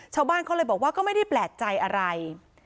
ชาวบ้านเขาเลยบอกว่าก็ไม่ได้แปลกใจอะไร